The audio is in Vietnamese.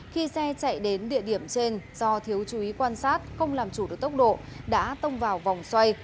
khi xe chạy đến địa điểm trên do thiếu chú ý quan sát không làm chủ được tốc độ đã tông vào vòng xoay